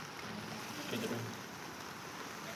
Jsou však známá jeho vlastní samostatná rozhodnutí.